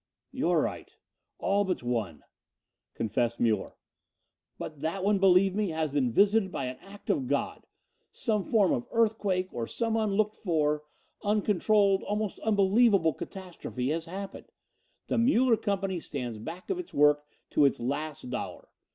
"You are right. All but one," confessed Muller. "But that one, believe me, has been visited by an act of God. Some form of earthquake or some unlooked for, uncontrolled, almost unbelievable catastrophe has happened. The Muller company stands back of its work to its last dollar.